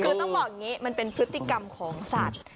คือต้องบอกอย่างนี้มันเป็นพฤติกรรมของสัตว์